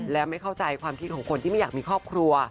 และไม่เข้าใจความคิดของคนที่ไม่อยากมีครอบครัว